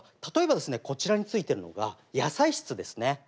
例えばですねこちらについてるのが野菜室ですね。